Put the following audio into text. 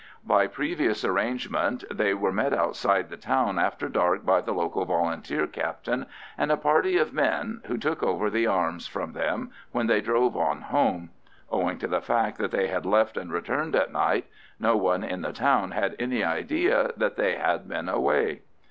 By previous arrangement they were met outside the town after dark by the local Volunteer captain and a party of men, who took over the arms from them, when they drove on home. Owing to the fact that they had left and returned at night, no one in the town had any idea that they had been away.